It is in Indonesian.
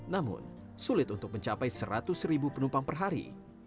namun sulit untuk mencapai seratus ribu penumpang per hari